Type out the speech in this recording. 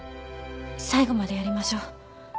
最後までやりましょう。